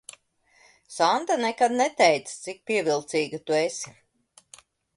Sanda nekad neteica, cik pievilcīga tu esi.